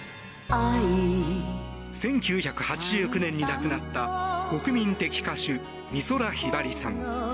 １９８９年に亡くなった国民的歌手、美空ひばりさん。